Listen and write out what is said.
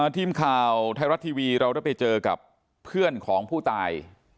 ทีมข่าวไทยรัฐทีวีเราได้ไปเจอกับเพื่อนของผู้ตาย